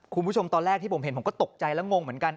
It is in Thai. คุณผู้ชมตอนแรกที่ผมเห็นผมก็ตกใจและงงเหมือนกัน